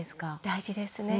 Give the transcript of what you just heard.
大事ですね。